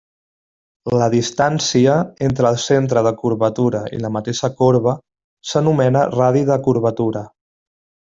La distància entre el centre de curvatura i la mateixa corba s'anomena radi de curvatura.